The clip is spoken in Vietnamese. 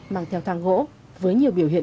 mang theo thang gỗ với nhiều biểu hiện